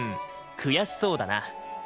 悔しそうだな。